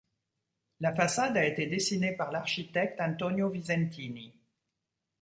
La façade a été dessiné par l'architecte Antonio Visentini.